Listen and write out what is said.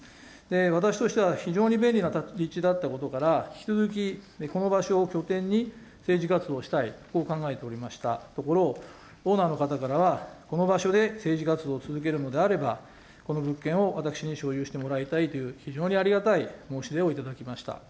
私としては非常に便利な立地だったことから、引き続きこの場所を拠点に、政治活動をしたい、こう考えておりましたところ、オーナーの方からはこの場所で政治活動を続けるのであれば、この物件を私に所有してもらいたいという非常にありがたい申し出を頂きました。